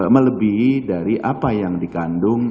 melebihi dari apa yang dikandung